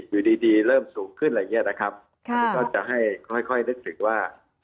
อยู่ดีดีเริ่มสูงขึ้นอะไรอย่างเงี้ยนะครับอันนี้ก็จะให้ค่อยนึกถึงว่า